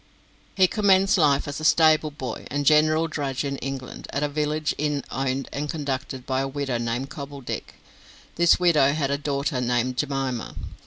He commenced life as a stable boy and general drudge in England, at a village inn owned and conducted by a widow named Cobbledick. This widow had a daughter named Jemima.